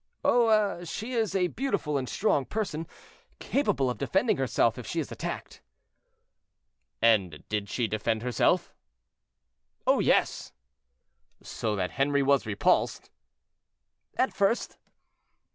"Oh! she is a beautiful and strong person, capable of defending herself if she is attacked." "And did she defend herself?" "Oh, yes!" "So that Henri was repulsed?" "At first."